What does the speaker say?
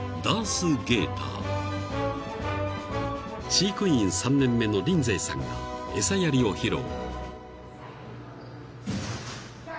［飼育員３年目のリンゼイさんが餌やりを披露］